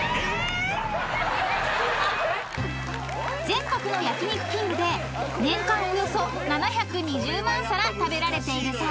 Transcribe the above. ［全国の焼肉きんぐで年間およそ７２０万皿食べられているそうです］